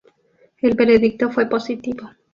El veredicto fue positivo.